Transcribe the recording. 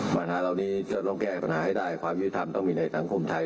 ปัญหาเหล่านี้จะต้องแก้ปัญหาให้ได้ความยุติธรรมต้องมีในสังคมไทย